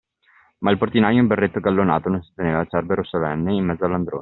Ma il portinaio in berretto gallonato non si teneva – cerbero solenne – in mezzo all'androne.